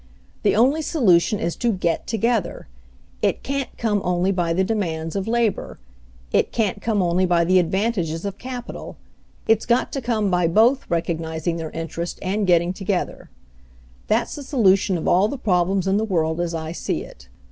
"The only solution is to get together. It can't come only by the demands of labor. It can't come only by the advantages of capital. It's got to come by both recognizing their interest and getting together. "That's the solution of all the problems in the world, as I see it.